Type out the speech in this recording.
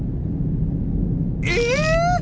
え！